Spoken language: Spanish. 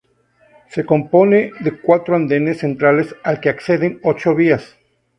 Se compone de cuatro andenes centrales al que acceden ochos vías.